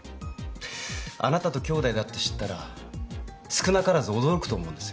あなたときょうだいだって知ったら少なからず驚くと思うんですよ。